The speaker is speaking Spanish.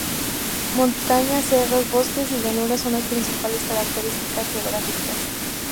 Montañas, cerros, bosques y llanura son las principales características geográficas.